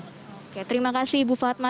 oke terima kasih ibu fatma